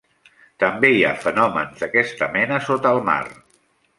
També hi ha fenòmens d'aquesta mena sota el mar.